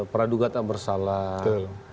praduga tak bersalah